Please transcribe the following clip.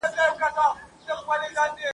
آیا کورنۍ ئې لا هم په کارېز کي ده؟